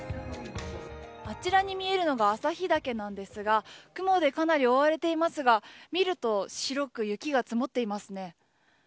あちらに見えるのが旭岳なんですが雲で、かなり覆われていますが見ると白く雪が積もっていますね。